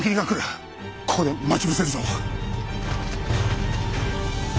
ここで待ち伏せるぞ。